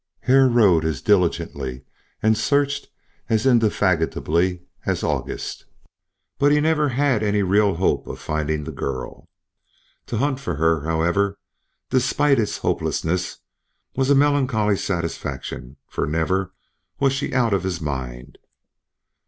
Hare rode as diligently and searched as indefatigably as August, but he never had any real hope of finding the girl. To hunt for her, however, despite its hopelessness, was a melancholy satisfaction, for never was she out of his mind.